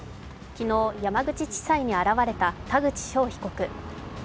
昨日、山口地裁に現れた田口翔被告。